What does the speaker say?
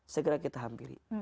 segera kita hampiri